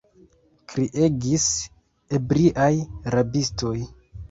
kriegis ebriaj rabistoj.